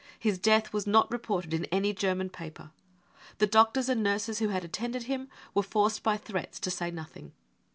His death was not reported in any German paper ; the doctors and nurses who had attended him were forced by threats to say nothing.